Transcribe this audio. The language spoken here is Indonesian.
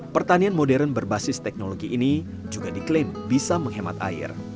pertanian modern berbasis teknologi ini juga diklaim bisa menghemat air